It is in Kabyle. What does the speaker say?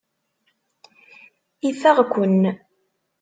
Ifeɣ-ken.